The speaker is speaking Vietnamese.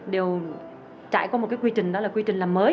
đều trải qua một cái quy trình đó là quy trình làm mới